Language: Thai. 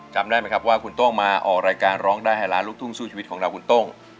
จำได้ไหมครับว่าคุณโต้งมาออกรายการร้องได้ให้ล้านลูกทุ่งสู้ชีวิตของเราคุณโต้ง